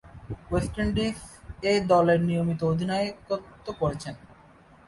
West Indies A দলের নিয়মিত অধিনায়কত্ব করেছেন।